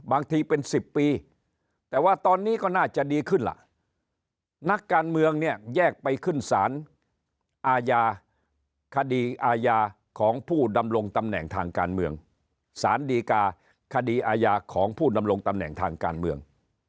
บางทีเป็น๑๐ปีแต่ว่าตอนนี้ก็น่าจะดีขึ้นล่ะนักการเมืองเนี่ยแยกไปขึ้นสารอาญาคดีอาญาของผู้ดำรงตำแหน่งทางการเมืองสารดีกาคดีอาญาของผู้ดำรงตำแหน่งทางการเมือง